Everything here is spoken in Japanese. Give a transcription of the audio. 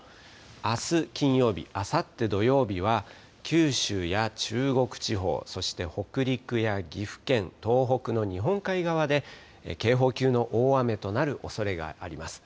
あす金曜日、あさって土曜日は、九州や中国地方、そして北陸や岐阜県、東北の日本海側で警報級の大雨となるおそれがあります。